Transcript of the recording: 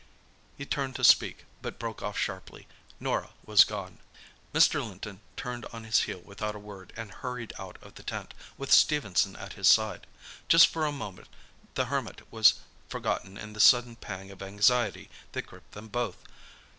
He turned to speak, but broke off sharply. Norah was gone. Mr. Linton turned on his heel without a word, and hurried out of the tent, with Stephenson at his side. Just for a moment the Hermit was forgotten in the sudden pang of anxiety that gripped them both.